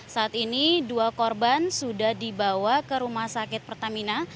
saat ini dua korban sudah dibawa ke rumah sakit pertamina